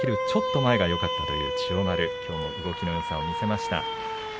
ちょっと前がよかったという千代丸きょうも動きのよさを見せました。